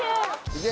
いけ。